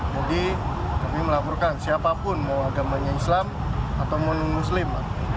jadi kami melaporkan siapapun mau agamanya islam atau muslim